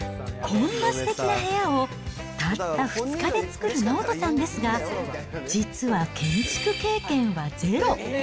こんなすてきな部屋をたった２日で作る直人さんですが、実は建築経験はゼロ。